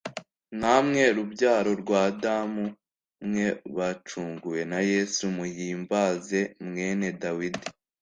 namwe rubyaro rw adamu mwe bacunguwe na yesu muhimbaze mwene Dawidi